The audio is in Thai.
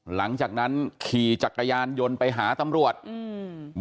หลังจากนั้นขี่จักรยานยนต์ไปหาตำรวจอืม